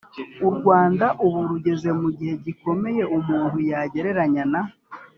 u rwanda ubu rugeze mu gihe gikomeye umuntu yagereranya na